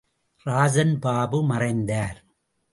இராஜன் பாபு மறைந்தார்!